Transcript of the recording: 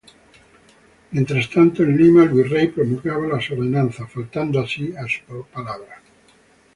Mientras tanto, en Lima el Virrey promulgaba las ordenanzas, faltando así a su promesa.